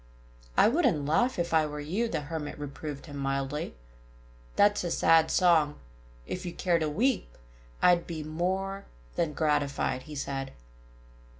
"I wouldn't laugh, if I were you," the Hermit reproved him mildly. "That's a sad song.... If you care to weep, I'd be more than gratified," he said.